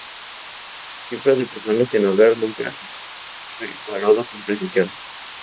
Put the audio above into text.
La cifra de personas sin hogar nunca fue evaluado con precisión.